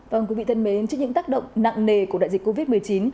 vâng quý vị thân mến trước những tác động nặng nề của đại dịch covid một mươi chín